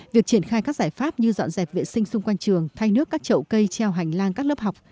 việc triển khai các giải pháp như dọn dẹp vệ sinh xung quanh trường thay nước các trậu cây treo hành lang các lớp học